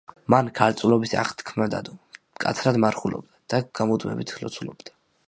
მან ქალწულობის აღთქმა დადო, მკაცრად მარხულობდა და გამუდმებით ლოცულობდა.